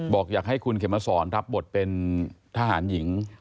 บอกอยากให้คุณเข็มมาสอนรับบทเป็นทหารหญิง